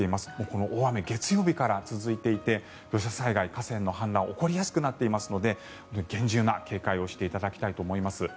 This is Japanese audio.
この大雨、月曜日から続いていて土砂災害、河川の氾濫が起こりやすくなっていますので厳重な警戒をしていただきたいと思います。